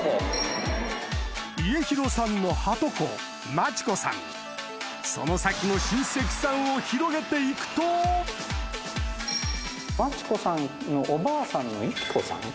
家広さんのはとこ眞智子さんその先の親戚さんを広げていくと眞智子さんのおばあさんの順子さん